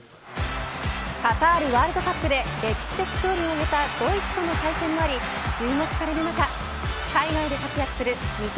カタールワールドカップで歴史的勝利を挙げたドイツとの再戦もあり注目される中海外で活躍する三笘